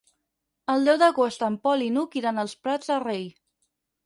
El deu d'agost en Pol i n'Hug iran als Prats de Rei.